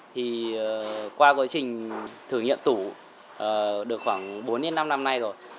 thì qua quá trình thử nghiệm tủ được khoảng bốn đến năm năm nay rồi